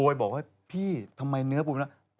โพยบอกว่าพี่ทำไมเนื้อปูเป็นแบบนั้น